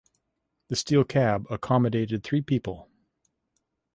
The steel cab accommodated three people.